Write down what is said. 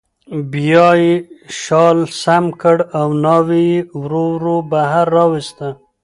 بیا یې شال سم کړ او ناوې یې ورو ورو بهر راوویسته